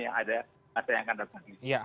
yang ada ada yang akan terjadi